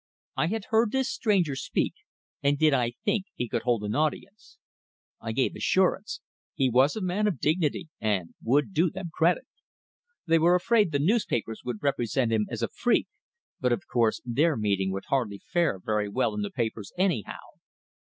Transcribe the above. I had heard this stranger speak, and did I think he could hold an audience? I gave assurance; he was a man of dignity, and would do them credit. They were afraid the newspapers would represent him as a freak, but of course their meeting would hardly fare very well in the papers anyhow.